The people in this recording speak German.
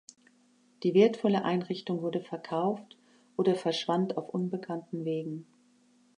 Die wertvolle Einrichtung wurde verkauft oder verschwand auf unbekannten Wegen.